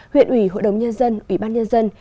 huyện ủy hội đồng nhân dân ủy ban nhân dân